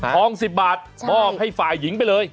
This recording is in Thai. ๑๐บาทมอบให้ฝ่ายหญิงไปเลย